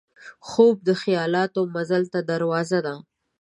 خوب د خیالاتو مزل ته دروازه ده